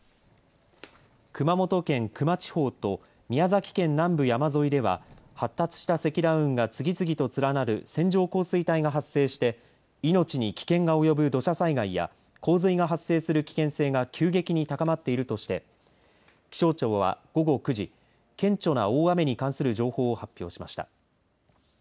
熊本県球磨地方と宮崎県南部山沿いでは発達した積乱雲が次々と連なる線状降水帯が発生して命に危険が及ぶ土砂災害や洪水が発生する危険性が急激に高まっているとして気象庁は午後９時顕著な大雨に関する情報を発表しました。